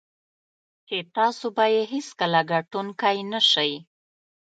چې تاسو به یې هېڅکله ګټونکی نه شئ.